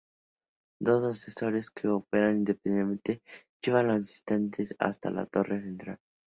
Dos ascensores, que operan independientemente, llevan a los visitantes hasta la torre central.